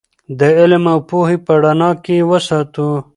د علم او پوهې په رڼا کې یې وساتو.